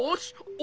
お。